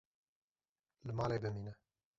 Li malê bimîne.